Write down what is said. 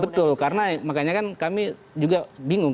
betul karena makanya kan kami juga bingung